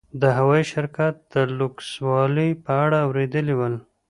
د هوايي شرکت د لوکسوالي په اړه اورېدلي ول.